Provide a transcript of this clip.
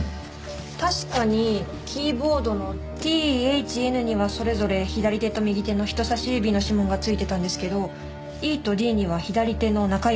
確かにキーボードのＴＨＮにはそれぞれ左手と右手の人さし指の指紋がついてたんですけどＥとＤには左手の中指。